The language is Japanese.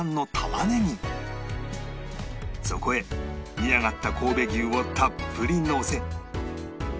そこへ煮上がった神戸牛をたっぷりのせ